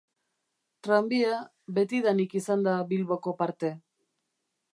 Tranbia betidanik izan da Bilboko parte.